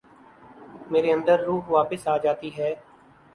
میرے اندر روح واپس آ جاتی ہے ۔